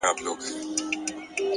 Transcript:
ژور فکر سطحي تېروتنې کموي.!